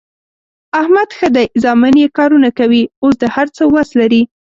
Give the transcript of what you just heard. احمد ښه دی زامن یې کارونه کوي، اوس د هر څه وس لري.